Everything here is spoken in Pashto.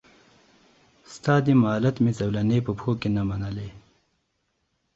ستا د مالت مي زولنې په پښو کي نه منلې